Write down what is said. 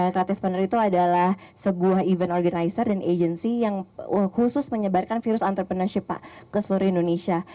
creative partner itu adalah sebuah event organizer dan agency yang khusus menyebarkan virus entrepreneurship ke seluruh indonesia